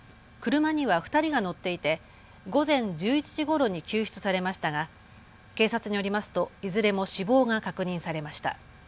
車には２人が乗っていて午前１１時ごろに救出されましたが警察によりますといずれも死亡が確認されました。